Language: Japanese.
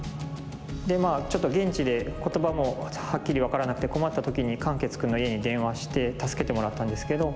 でまあちょっと現地で言葉もはっきり分からなくて困った時に漢傑くんの家に電話して助けてもらったんですけど。